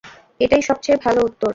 এটাই সবচেয়ে ভালো উত্তর।